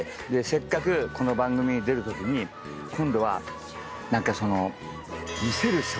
せっかくこの番組出るときに今度は何かその。